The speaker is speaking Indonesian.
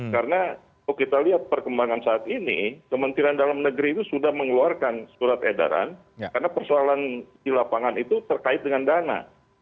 karena kalau kita lihat perkembangan saat ini kementerian dalam negeri itu sudah mengeluarkan surat edaran karena persoalan di lapangan itu terkait dengan dana